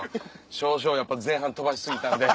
少々やっぱ前半飛ばし過ぎたんで。